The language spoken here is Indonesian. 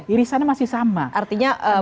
irisannya masih sama artinya